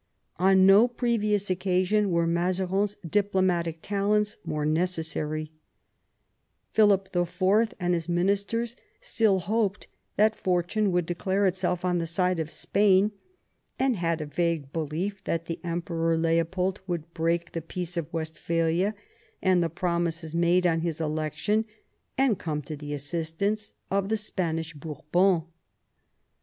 On no previous occasion were Muzarin's diplomatic talents more necessary. Philip IV. and his ministers still hoped that fortune would declare itself on the side of Spain, and had a vague belief that the Emperor Leopold would break the Peace of West phalia and the promises made on his election, and come to the assistance of the Spanish Bourbons.